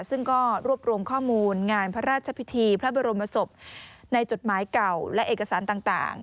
ซึ่งก็รวบรวมข้อมูลงานพระราชพิธีพระบรมศพในจดหมายเก่าและเอกสารต่าง